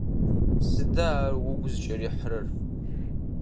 Сыда ар угу зыкӀырихьрэр?